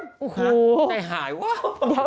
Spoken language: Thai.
ได้หายว่า